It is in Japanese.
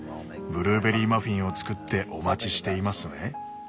ブルーベリーマフィンを作ってお待ちしていますね」。